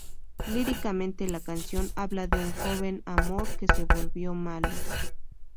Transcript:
Líricamente, la canción habla de un joven amor que se volvió malo.